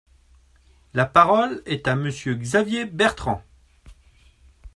La parole est à Monsieur Xavier Bertrand.